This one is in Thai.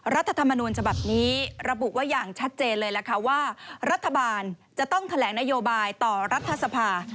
รัฐธรรมนูญฉบับนี้ระบุไว้อย่างชัดเจนเลยล่ะค่ะว่ารัฐบาลจะต้องแถลงนโยบายต่อรัฐสภา